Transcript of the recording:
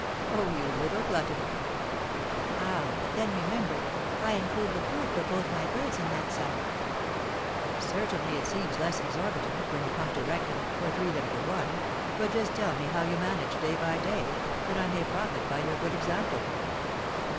"Oh, you little glutton!" "Ah! but then, remember, I include the food for both my birds in that sum." "Certainly it seems less exorbitant, when you come to reckon, for three than for one; but just tell me how you manage day by day, that I may profit by your good example."